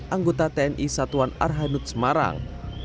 anggota tni satuan arhanud semarang